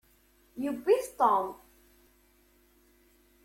Yewwi-t Tom.